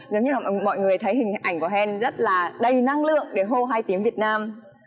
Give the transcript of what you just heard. giống như là mọi người thấy hình ảnh của hen rất là đầy năng lượng để hô hai tiếng việt nam